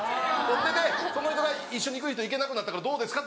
それでその人が一緒に行く人行けなくなったからどうですか？